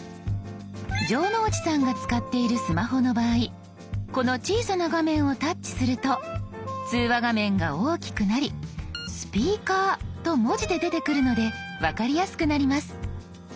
城之内さんが使っているスマホの場合この小さな画面をタッチすると通話画面が大きくなり「スピーカー」と文字で出てくるので分かりやすくなります。